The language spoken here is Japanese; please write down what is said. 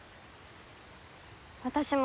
私も。